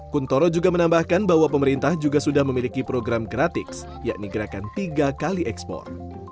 kuntoro juga menambahkan bahwa pemerintah juga sudah memiliki program gratis yakni gerakan tiga kali ekspor